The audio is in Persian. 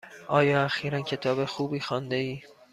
آیا اخیرا کتاب خوبی خوانده ای؟